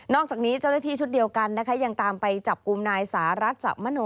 อกจากนี้เจ้าหน้าที่ชุดเดียวกันนะคะยังตามไปจับกลุ่มนายสหรัฐสะมโน